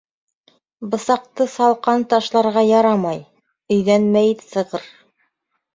Бысаҡты салҡан ташларға ярамай: өйҙән мәйет сығыр.